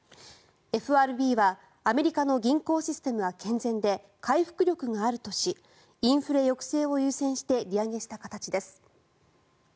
ＦＲＢはアメリカの銀行システムは健全で回復力があるとしインフレ抑制を優先して利上げした形です。